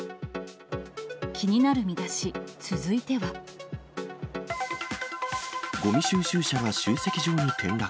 気になるミダシ、ごみ収集車が集積場に転落。